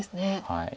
はい。